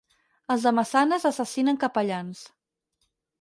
Els de Massanes assassinen capellans.